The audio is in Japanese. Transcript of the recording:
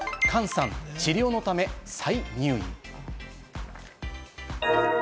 ＫＡＮさん、治療のため再入院。